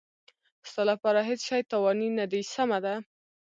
ستا لپاره هېڅ شی تاواني نه دی، سمه ده.